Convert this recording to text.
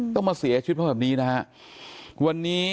ต้องมาเสียชีวิตเพราะแบบนี้นะฮะวันนี้